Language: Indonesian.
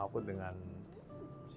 itu kan ada